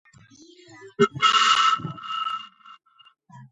წარმოადგენს კუბის უძველეს უმაღლეს სასწავლებელს.